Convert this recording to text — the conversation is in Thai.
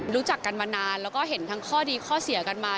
รู้จักกันมานานแล้วก็เห็นทั้งข้อดีข้อเสียกันมา